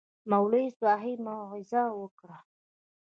مولوي صاحب موعظه وکړه.